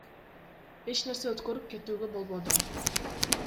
Эч нерсе өткөрүп кетүүгө болбоду.